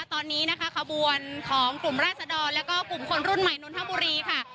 ตอนนี้นะคะขบวนของกลุ่มราศดรแล้วก็กลุ่มคนรุ่นใหม่นนทบุรีค่ะ